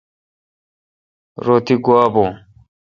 رو تی گوا بون۔